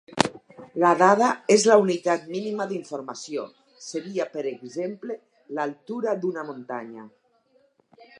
La dada és la unitat mínima d'informació, seria per exemple l'altura d'una muntanya.